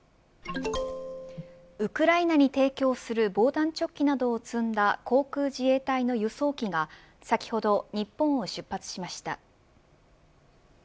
ウクライナに提供する防弾チョッキなどを積んだ航空自衛隊の輸送機が先ほど、日本を出発しました。